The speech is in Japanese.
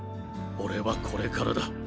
俺はこれからだ。